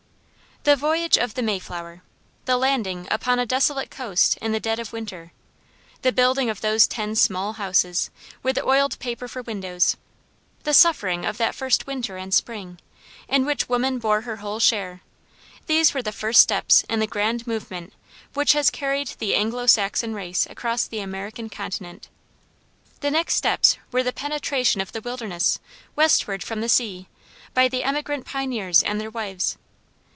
The voyage of the Mayflower; the landing upon a desolate coast in the dead of winter; the building of those ten small houses, with oiled paper for windows; the suffering of that first winter and spring, in which woman bore her whole share; these were the first steps in the grand movement which has carried the Anglo Saxon race across the American continent. The next steps were the penetration of the wilderness westward from the sea, by the emigrant pioneers and their wives.